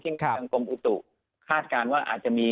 ที่จังกลมอุตุภารการณ์ขาดการณ์ว่าอาจจะมี